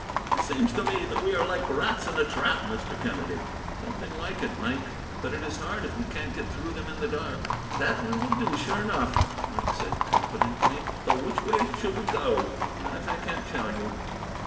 "It seems to me that we are like rats in a trap, Mr. Kennedy." "Something like it, Mike; but it is hard if we can't get through them, in the dark." "That we will do, sure enough," Mike said confidently; "but which way should we go?" "That I can't tell you.